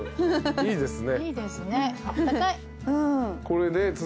いいですね。